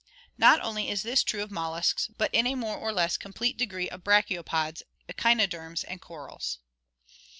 Not only is this true of mol luscs, but in a more or less complete degree of brachiopods, echino derms, and corals.